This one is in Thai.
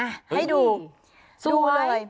ให้ดูดูเลย